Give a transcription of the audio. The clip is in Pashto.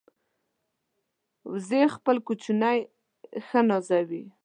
وزې خپل کوچني ښه نازوي